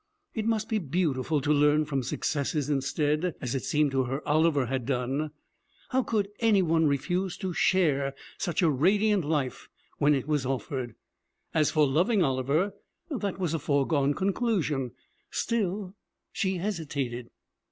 It must be beautiful to learn from successes instead, as it seemed to her Oliver had done. How could any one refuse to share such a radiant life when it was offered? As for loving Oliver, that was a foregone conclusion. Still, she hesitated.